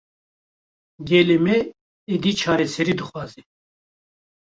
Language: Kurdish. Gelê me, êdî çareserî dixwaze